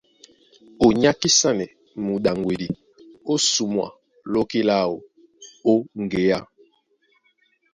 Ó nyákisanɛ muɗaŋgwedi ó sumwa lóki láō ó ŋgeá.